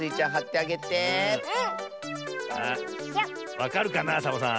わかるかなサボさん。